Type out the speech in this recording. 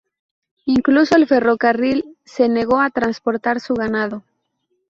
Incluso el ferrocarril se negó a transportar su ganado.